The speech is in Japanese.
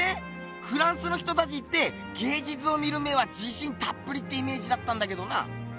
フランスの人たちって芸術を見る目はじしんたっぷりってイメージだったんだけどな！